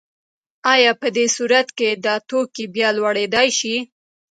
آیا په دې صورت کې د توکي بیه لوړیدای شي؟